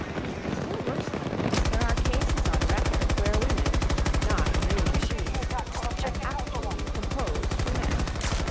Still worse than this, there are cases on record where women, not reigning queens, have actually proposed to men.